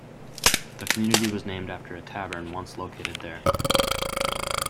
The community was named after a tavern once located there.